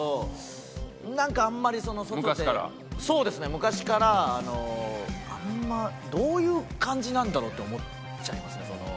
昔からあんまどういう感じなんだろう？って思っちゃいますね。